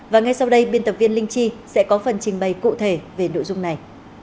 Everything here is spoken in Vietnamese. và ngay sau đây biên tập viên linh chi sẽ có phần trình bày cụ thể về nội dung này